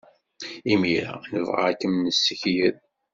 Imir-a, nebɣa ad kem-nessekyed.